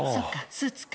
スーツか。